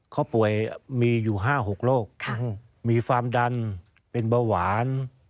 เขาป่วยมีอยู่๕๖โรคมีความดันเป็นเบาหวาน